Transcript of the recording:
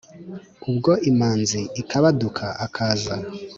Ubwo Imanzi akabaduka akaza